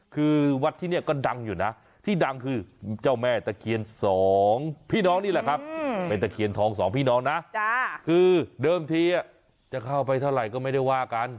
คือวัดที่นี่ก็ดังอยู่นะที่ดังคือเจ้าแม่ตะเคียนสองพี่น้องนี่แหละครับเป็นตะเคียนทองสองพี่น้องนะคือเดิมทีจะเข้าไปเท่าไหร่ก็ไม่ได้ว่ากัน